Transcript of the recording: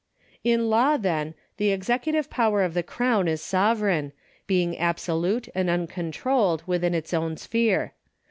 In law, then, the executive power of the Crown is sovereign, being absolute and uncontrolled within its own sphere.